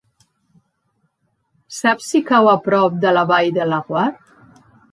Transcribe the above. Saps si cau a prop de la Vall de Laguar?